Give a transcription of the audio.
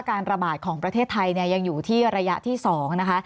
การระบาดของประเทศไทยยังอยู่ที่ระยะที่๒นะคะ